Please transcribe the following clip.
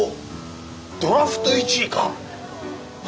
ドラフト１位か！